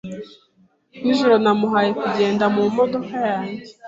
Nijoro namuhaye kugenda mumodoka yanjye.